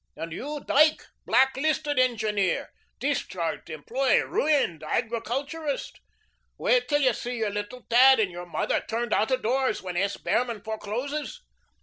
And you, Dyke, black listed engineer, discharged employee, ruined agriculturist, wait till you see your little tad and your mother turned out of doors when S. Behrman forecloses.